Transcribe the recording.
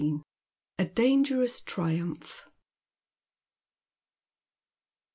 A DANGEROUS TEIUMPH.